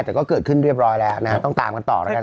แต่ก็เกิดขึ้นเรียบร้อยแล้วนะฮะต้องตามกันต่อแล้วกัน